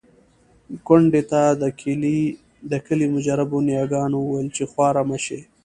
کونډې ته د کلي مجربو نياګانو وويل چې خواره مه شې.